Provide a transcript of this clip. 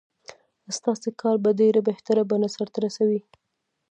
ستاسې کار په ډېره بهتره بڼه سرته ورسوي.